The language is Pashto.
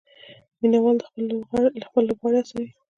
مینه وال خپل لوبغاړي هڅوي.